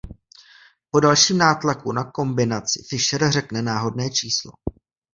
Po dalším nátlaku na kombinaci Fisher řekne náhodné číslo.